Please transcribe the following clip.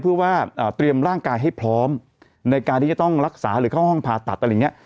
เพื่อว่าเตรียมร่างกายให้พร้อมในการที่จะต้องรักษาหรือเข้าห้องผ่าตัดอะไรอย่างนี้